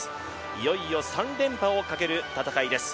いよいよ３連覇をかける戦いです。